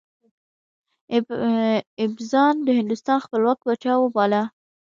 ایبک ځان د هندوستان خپلواک پاچا وباله.